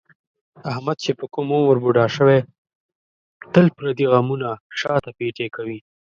احمد چې په کوم عمر بوډا شوی، تل پردي غمونه شاته پېټی کوي.